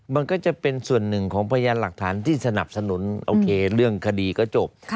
มันก็จะเป็นส่วนหนึ่งของพยานหลักฐานที่สนับสนุนโอเคเรื่องคดีก็จบ